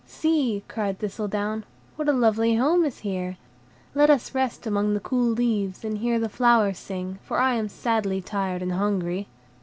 "See," cried Thistledown, "what a lovely home is here; let us rest among the cool leaves, and hear the flowers sing, for I am sadly tired and hungry."